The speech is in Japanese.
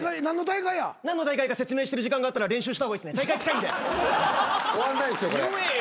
何の大会か説明してる時間があったら練習した方がいいっすね